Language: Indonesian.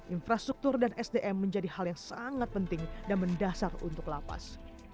infrastruktur dan sdm menjadi hal yang sangat penting dan mendasar untuk lapas